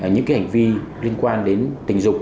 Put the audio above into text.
những hành vi liên quan đến tình dục